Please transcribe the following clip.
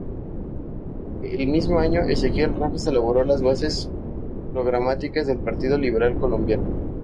El mismo año, Ezequiel Rojas elaboró las bases programáticas del Partido Liberal Colombiano.